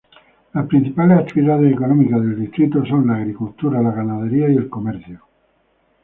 Las principales actividades económicas del distrito son la agricultura, la ganadería y el comercio.